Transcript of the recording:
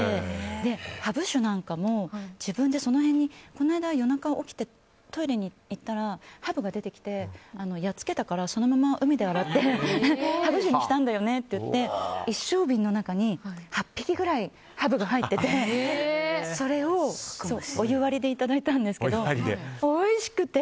で、ハブ酒なんかも自分でその辺にこの間、夜中起きてトイレに行ったらハブが出てきてやっつけたからそのまま海で洗ってハブ酒にしたんだよねって言って一升瓶の中に８匹ぐらいハブが入っててそれをお湯割りでいただいたんですけどおいしくて。